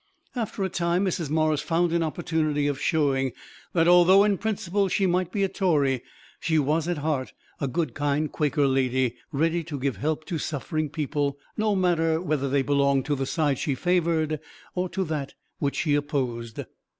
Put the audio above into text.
After a time, Mrs. Morris found an opportunity of showing, that, although in principle she might be a Tory, she was at heart a good, kind Quaker lady ready to give help to suffering people, no matter whether they belonged to the side she favored or to that which she opposed.